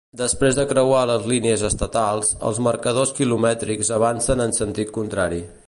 Després de creuar les línies estatals, els marcadors quilomètrics avancen en sentit contrari.